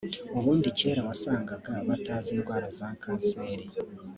ubundi kera wasangaga batazi indwara za kanseri